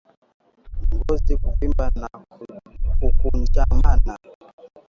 Ngozi kuvimba na kukunjamana